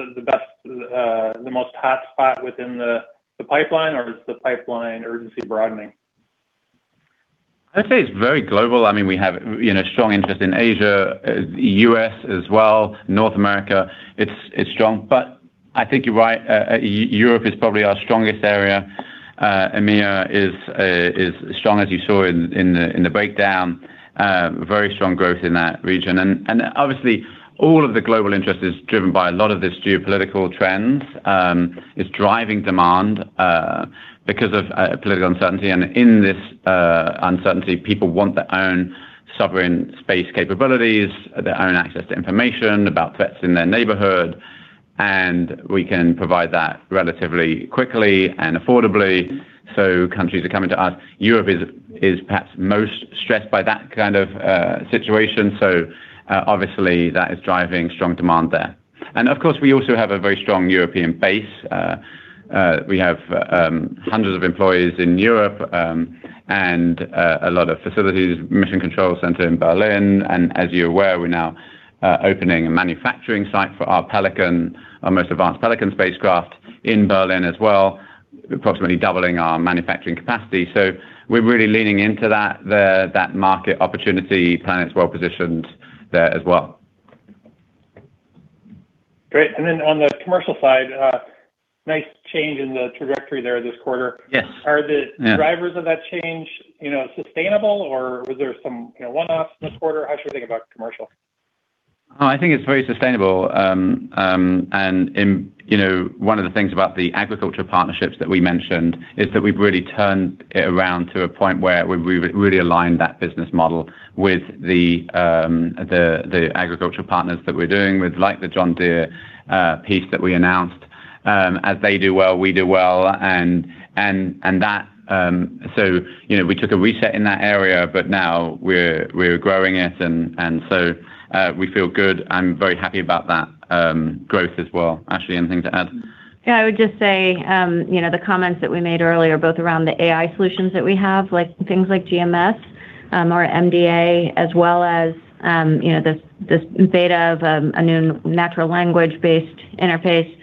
hot spot within the pipeline, or is the pipeline urgency broadening? I'd say it's very global. We have strong interest in Asia, U.S. as well, North America. It's strong. I think you're right. Europe is probably our strongest area. EMEA is strong as you saw in the breakdown, very strong growth in that region. Obviously all of the global interest is driven by a lot of this geopolitical trends. It's driving demand because of political uncertainty. In this uncertainty, people want their own sovereign space capabilities, their own access to information about threats in their neighborhood, and we can provide that relatively quickly and affordably. Countries are coming to us. Europe is perhaps most stressed by that kind of situation. Obviously that is driving strong demand there. Of course, we also have a very strong European base. We have hundreds of employees in Europe and a lot of facilities, Mission Control Center in Berlin. As you're aware, we're now opening a manufacturing site for our most advanced Pelican spacecraft in Berlin as well, approximately doubling our manufacturing capacity. We're really leaning into that market opportunity. Planet's well-positioned there as well. Great. On the commercial side, nice change in the trajectory there this quarter. Yes. Are the drivers of that change sustainable, or was there some one-offs this quarter? How should we think about commercial? I think it's very sustainable. One of the things about the agriculture partnerships that we mentioned is that we've really turned it around to a point where we've really aligned that business model with the agricultural partners that we're doing with, like the John Deere piece that we announced. As they do well, we do well. We took a reset in that area, but now we're growing it, and so we feel good. I'm very happy about that growth as well. Ashley, anything to add? Yeah. I would just say the comments that we made earlier, both around the AI solutions that we have, things like GMS or MDA as well as this beta of a new natural language-based interface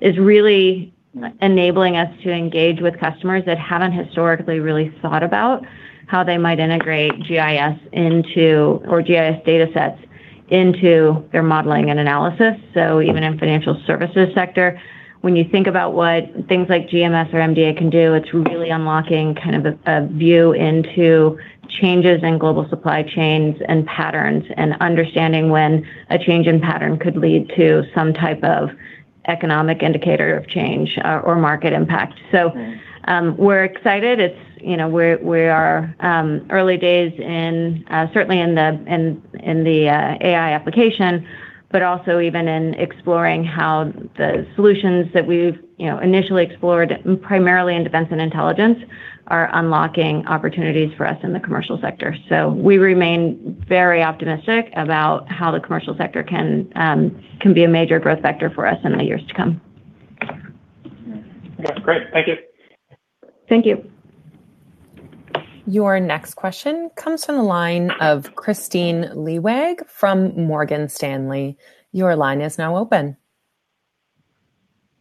is really enabling us to engage with customers that haven't historically really thought about how they might integrate GIS into, or GIS data sets into their modeling and analysis. Even in financial services sector, when you think about what things like GMS or MDA can do, it's really unlocking kind of a view into changes in global supply chains and patterns and understanding when a change in pattern could lead to some type of economic indicator of change or market impact. We're excited. We are early days certainly in the AI application, also even in exploring how the solutions that we've initially explored primarily in defense and intelligence are unlocking opportunities for us in the commercial sector. We remain very optimistic about how the commercial sector can be a major growth vector for us in the years to come. Okay, great. Thank you. Thank you. Your next question comes from the line of Kristine Liwag from Morgan Stanley. Your line is now open.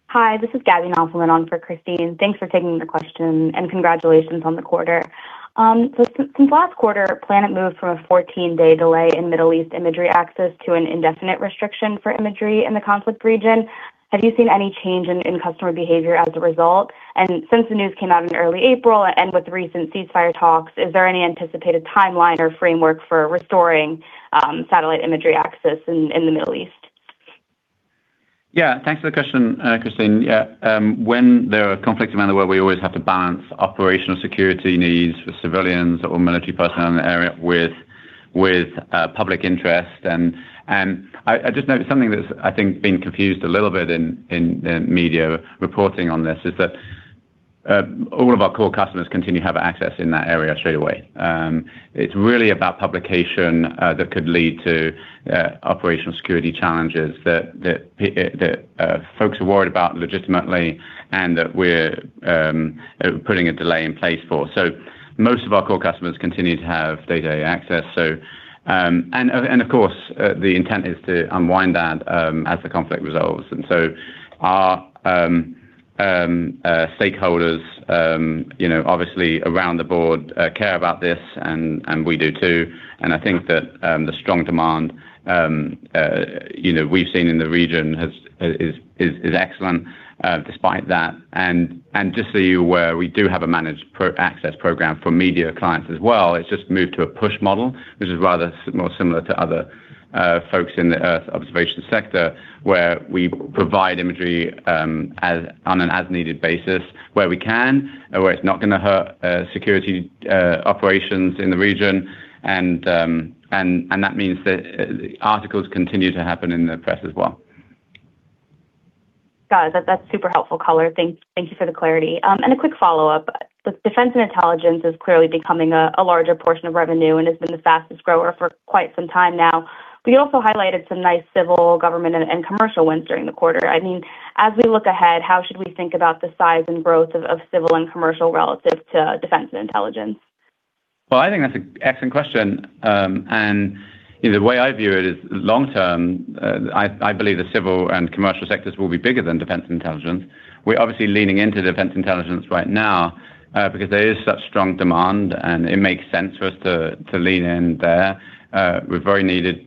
Hi, this is Gaby Knafelman on for Kristine. Thanks for taking the question and congratulations on the quarter. Since last quarter, Planet moved from a 14-day delay in Middle East imagery access to an indefinite restriction for imagery in the conflict region. Have you seen any change in customer behavior as a result? Since the news came out in early April and with recent ceasefire talks, is there any anticipated timeline or framework for restoring satellite imagery access in the Middle East? Yeah. Thanks for the question, Kristine. Yeah. When there are conflicts around the world, we always have to balance operational security needs for civilians or military personnel in the area with public interest. I just note something that's I think been confused a little bit in media reporting on this, is that all of our core customers continue to have access in that area straight away. It's really about publication that could lead to operational security challenges that folks are worried about legitimately and that we're putting a delay in place for. Most of our core customers continue to have day-to-day access. Of course, the intent is to unwind that as the conflict resolves. Our stakeholders obviously around the board care about this and we do too. I think that the strong demand we've seen in the region is excellent despite that. Just so you're aware, we do have a managed access program for media clients as well. It's just moved to a push model, which is rather more similar to other folks in the Earth observation sector, where we provide imagery on an as-needed basis, where we can, and where it's not going to hurt security operations in the region. That means that articles continue to happen in the press as well. Got it. That's super helpful color. Thank you for the clarity. A quick follow-up. Defense and intelligence is clearly becoming a larger portion of revenue and has been the fastest grower for quite some time now. You also highlighted some nice civil government and commercial wins during the quarter. As we look ahead, how should we think about the size and growth of civil and commercial relative to defense and intelligence? Well, I think that's an excellent question. The way I view it is, long term, I believe the civil and commercial sectors will be bigger than defense intelligence. We're obviously leaning into defense intelligence right now because there is such strong demand, and it makes sense for us to lean in there. We're very needed.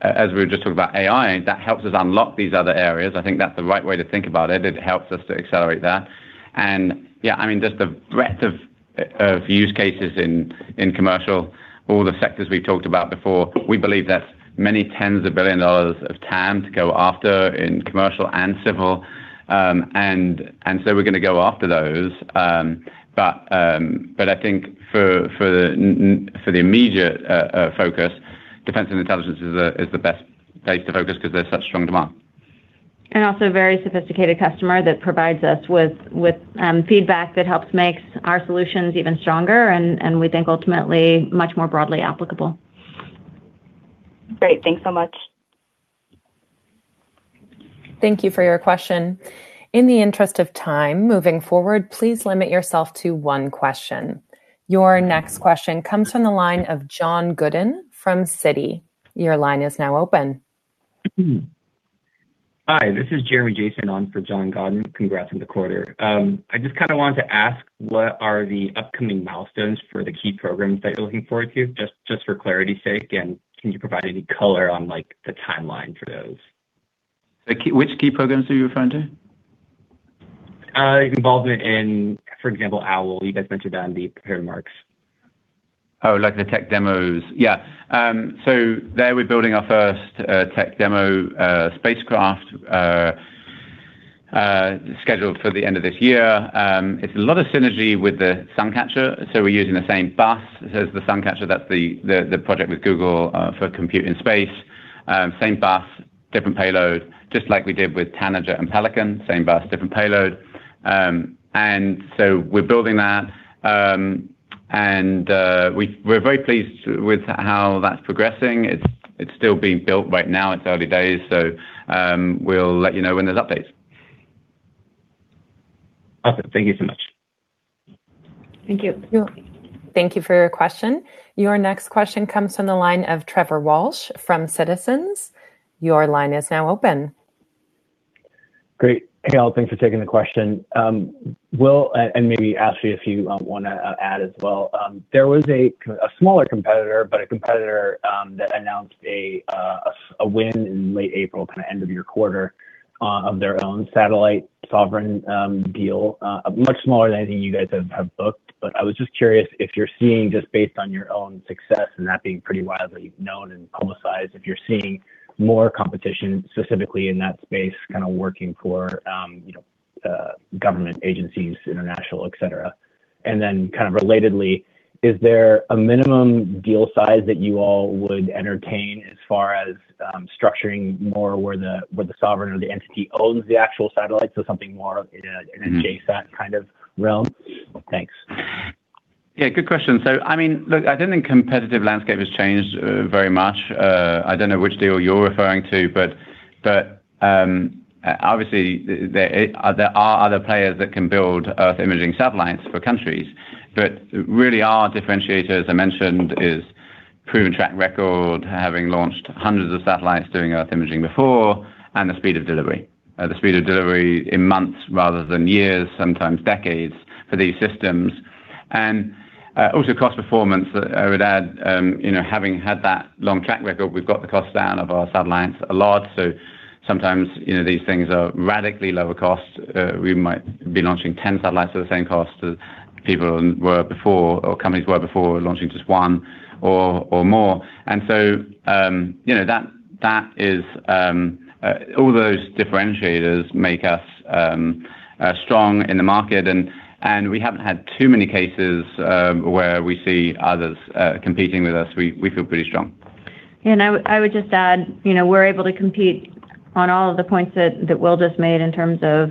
As we were just talking about AI, that helps us unlock these other areas. I think that's the right way to think about it. It helps us to accelerate that. Yeah, just the breadth of use cases in commercial, all the sectors we've talked about before, we believe there's many tens of billion dollars of TAM to go after in commercial and civil. We're going to go after those. I think for the immediate focus, defense and intelligence is the best place to focus because there's such strong demand. Also a very sophisticated customer that provides us with feedback that helps makes our solutions even stronger and we think ultimately much more broadly applicable. Great. Thanks so much. Thank you for your question. In the interest of time moving forward, please limit yourself to one question. Your next question comes from the line of John Godyn from Citi. Your line is now open. Hi, this is Jeremy Jason on for John Godyn. Congrats on the quarter. I just wanted to ask what are the upcoming milestones for the key programs that you're looking forward to, just for clarity's sake? Can you provide any color on the timeline for those? Which key programs are you referring to? Involvement in, for example, Owl. You guys mentioned that in the prepared remarks. Oh, like the tech demos. Yeah. There we're building our first tech demo spacecraft, scheduled for the end of this year. It's a lot of synergy with the Suncatcher, so we're using the same bus as the Suncatcher. That's the project with Google for compute in space. Same bus, different payload, just like we did with Tanager and Pelican, same bus, different payload. We're building that. We're very pleased with how that's progressing. It's still being built right now. It's early days. We'll let you know when there's updates. Awesome. Thank you so much. Thank you. Thank you for your question. Your next question comes from the line of Trevor Walsh from Citizens. Your line is now open. Great. Hey, all. Thanks for taking the question. Will, and maybe Ashley, if you want to add as well. There was a smaller competitor, but a competitor that announced a win in late April, end of your quarter, of their own satellite sovereign deal. Much smaller than anything you guys have booked, but I was just curious if you're seeing, just based on your own success and that being pretty widely known and publicized, if you're seeing more competition specifically in that space, kind of working for government agencies, international, et cetera. Then kind of relatedly, is there a minimum deal size that you all would entertain as far as structuring more where the sovereign or the entity owns the actual satellite, so something more in a JSAT kind of realm? Thanks. Yeah, good question. I don't think competitive landscape has changed very much. I don't know which deal you're referring to, but obviously there are other players that can build Earth imaging satellites for countries. Really our differentiator, as I mentioned, is proven track record, having launched hundreds of satellites doing Earth imaging before, and the speed of delivery. The speed of delivery in months rather than years, sometimes decades for these systems. Also cost performance that I would add. Having had that long track record, we've got the cost down of our satellites a lot. Sometimes these things are radically lower cost. We might be launching 10 satellites at the same cost as people were before or companies were before launching just one or more. All those differentiators make us strong in the market, and we haven't had too many cases where we see others competing with us. We feel pretty strong. I would just add, we're able to compete on all of the points that Will just made in terms of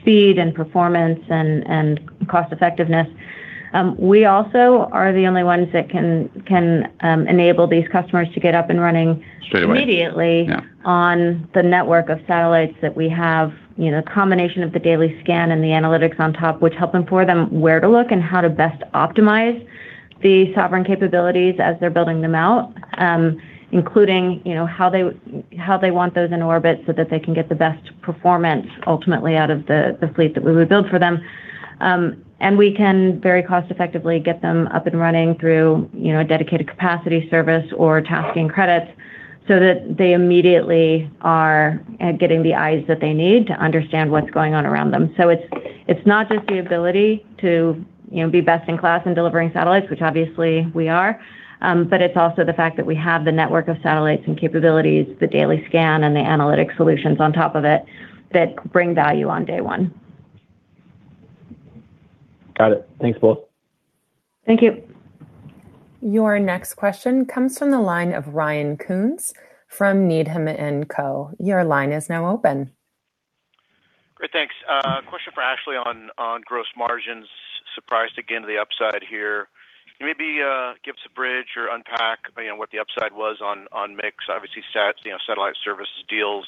speed and performance and cost effectiveness. We also are the only ones that can enable these customers to get up and running. Straight away. Immediately. Yeah. On the network of satellites that we have. A combination of the daily scan and the analytics on top, which help inform them where to look and how to best optimize. The sovereign capabilities as they're building them out, including how they want those in orbit so that they can get the best performance ultimately out of the fleet that we would build for them. We can very cost effectively get them up and running through a dedicated capacity service or tasking credits so that they immediately are getting the eyes that they need to understand what's going on around them. It's not just the ability to be best in class in delivering satellites, which obviously we are, but it's also the fact that we have the network of satellites and capabilities, the daily scan, and the analytic solutions on top of it that bring value on day one. Got it. Thanks both. Thank you. Your next question comes from the line of Ryan Koontz from Needham & Company. Your line is now open. Great, thanks. A question for Ashley on gross margins. Surprised again at the upside here. Can you maybe give us a bridge or unpack what the upside was on mix? Obviously, satellite services deals.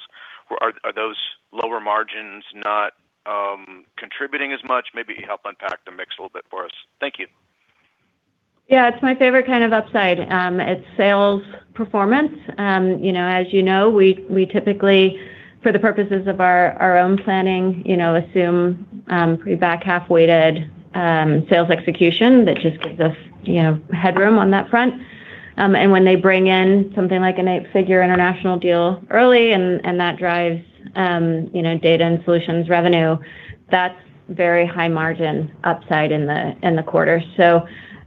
Are those lower margins not contributing as much? Maybe help unpack the mix a little bit for us. Thank you. Yeah. It's my favorite kind of upside. It's sales performance. As you know, we typically, for the purposes of our own planning, assume pretty back half-weighted sales execution. That just gives us headroom on that front. When they bring in something like an eight figure international deal early and that drives data and solutions revenue, that's very high margin upside in the quarter.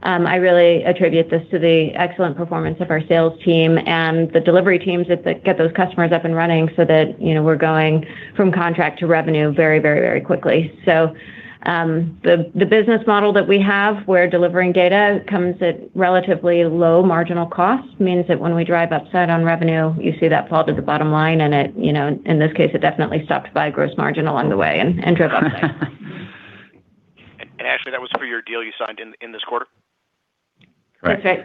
I really attribute this to the excellent performance of our sales team and the delivery teams that get those customers up and running so that we're going from contract to revenue very quickly. The business model that we have, we're delivering data comes at relatively low marginal cost, means that when we drive upside on revenue, you see that fall to the bottom line and in this case, it definitely stopped by gross margin along the way and drove upside. Ashley, that was for your deal you signed in this quarter? That's right.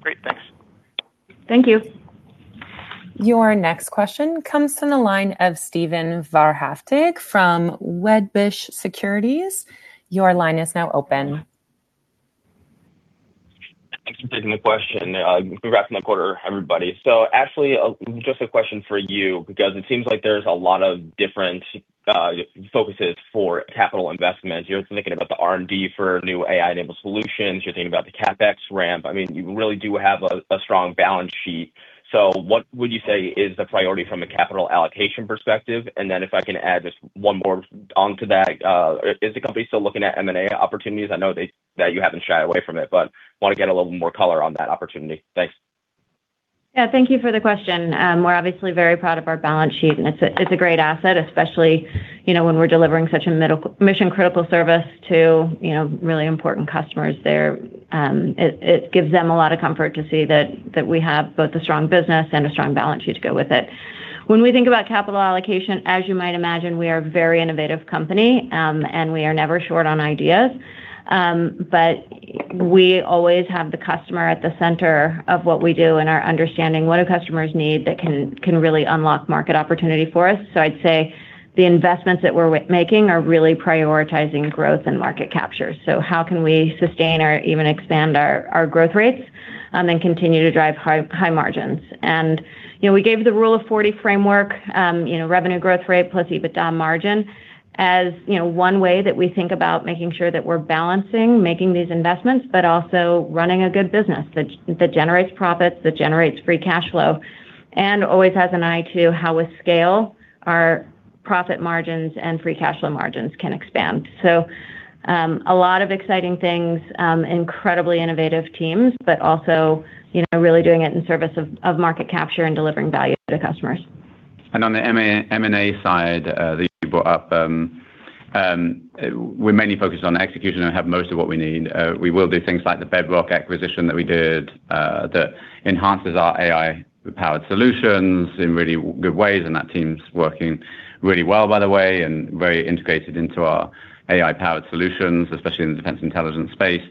Great. Thanks. Thank you. Your next question comes from the line of Steven Wahrhaftig from Wedbush Securities. Your line is now open. Thanks for taking the question. Congrats on the quarter, everybody. Ashley, just a question for you, because it seems like there's a lot of different focuses for capital investments. You're thinking about the R&D for new AI-enabled solutions. You're thinking about the CapEx ramp. You really do have a strong balance sheet. What would you say is the priority from a capital allocation perspective? If I can add just one more onto that, is the company still looking at M&A opportunities? I know that you haven't shied away from it, but want to get a little more color on that opportunity. Thanks. Yeah, thank you for the question. We're obviously very proud of our balance sheet, and it's a great asset, especially when we're delivering such a mission-critical service to really important customers there. It gives them a lot of comfort to see that we have both a strong business and a strong balance sheet to go with it. When we think about capital allocation, as you might imagine, we are very innovative company, and we are never short on ideas. We always have the customer at the center of what we do and our understanding what do customers need that can really unlock market opportunity for us. I'd say the investments that we're making are really prioritizing growth and market capture. How can we sustain or even expand our growth rates and then continue to drive high margins? We gave the Rule of 40 framework, revenue growth rate plus EBITDA margin as one way that we think about making sure that we're balancing making these investments, but also running a good business that generates profits, that generates free cash flow, and always has an eye to how with scale our profit margins and free cash flow margins can expand. A lot of exciting things, incredibly innovative teams, but also really doing it in service of market capture and delivering value to customers. On the M&A side that you brought up, we're mainly focused on execution and have most of what we need. We will do things like the Bedrock acquisition that we did that enhances our AI-powered solutions in really good ways, and that team's working really well, by the way, and very integrated into our AI-powered solutions, especially in the defense intelligence space.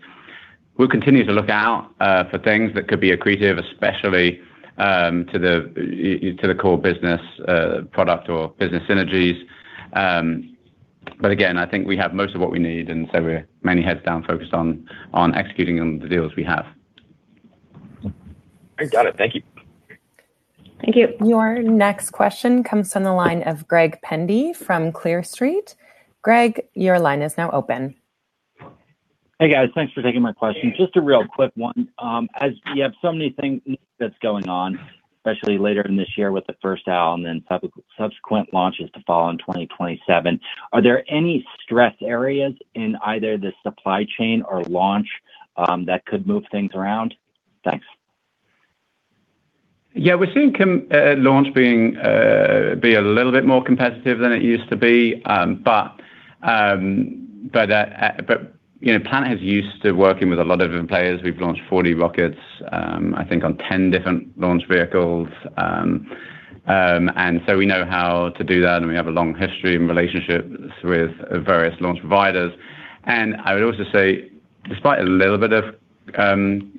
We'll continue to look out for things that could be accretive, especially to the core business product or business synergies. Again, I think we have most of what we need. We're mainly heads down focused on executing on the deals we have. I got it. Thank you. Thank you. Your next question comes from the line of Greg Pendy from Clear Street. Greg, your line is now open. Hey, guys. Thanks for taking my question. Just a real quick one. As you have so many things that's going on, especially later in this year with the first Owl and then subsequent launches to follow in 2027, are there any stress areas in either the supply chain or launch that could move things around? Thanks. Yeah, we're seeing launch be a little bit more competitive than it used to be. Planet is used to working with a lot of players. We've launched 40 rockets, I think on 10 different launch vehicles. We know how to do that, and we have a long history and relationship with various launch providers. I would also say, despite a little bit of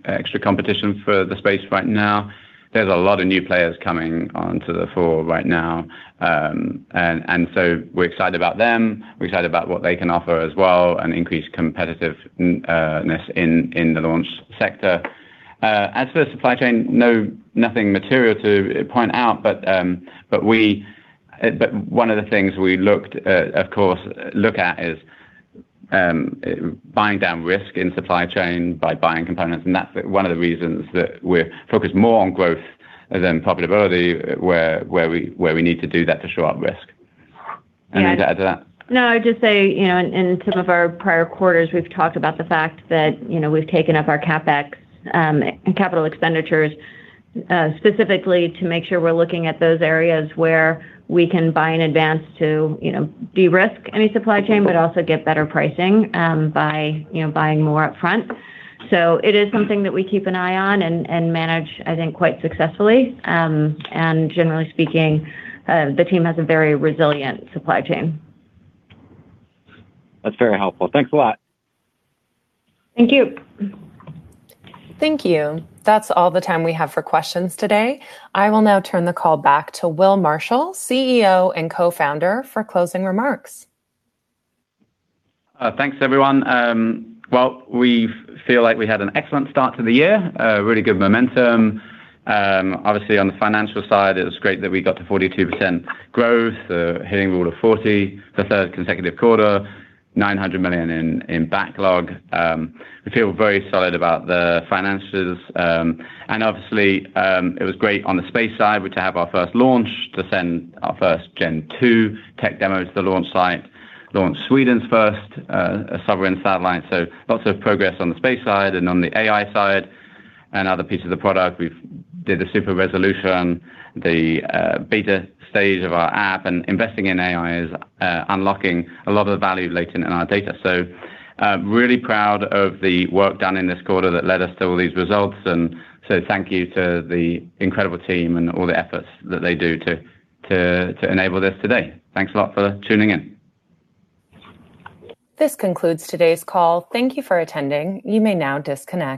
extra competition for the space right now. There's a lot of new players coming onto the fore right now. We're excited about them. We're excited about what they can offer as well, and increase competitiveness in the launch sector. As for supply chain, nothing material to point out, but one of the things we of course look at is buying down risk in supply chain by buying components. That's one of the reasons that we're focused more on growth than profitability, where we need to do that to show up risk. Anything to add to that? No, I'd just say, in some of our prior quarters, we've talked about the fact that we've taken up our CapEx, capital expenditures, specifically to make sure we're looking at those areas where we can buy in advance to de-risk any supply chain, but also get better pricing by buying more upfront. It is something that we keep an eye on and manage, I think, quite successfully. Generally speaking, the team has a very resilient supply chain. That's very helpful. Thanks a lot. Thank you. Thank you. That's all the time we have for questions today. I will now turn the call back to Will Marshall, CEO and Co-Founder, for closing remarks. Thanks, everyone. We feel like we had an excellent start to the year. A really good momentum. On the financial side, it was great that we got to 42% growth, hitting Rule of 40 for a third consecutive quarter, $900 million in backlog. We feel very solid about the finances. Obviously, it was great on the space side to have our first launch, to send our first Gen 2 tech demo to the launch site, launch Sweden's first sovereign satellite. Lots of progress on the space side and on the AI side and other pieces of the product. We did the Super Resolution, the beta stage of our app, and investing in AI is unlocking a lot of the value latent in our data. Really proud of the work done in this quarter that led us to all these results. Thank you to the incredible team and all the efforts that they do to enable this today. Thanks a lot for tuning in. This concludes today's call. Thank you for attending. You may now disconnect.